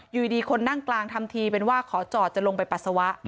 อยู่ดีคนนั่งกลางทำทีเป็นว่าขอจอดจะลงไปปัสสาวะ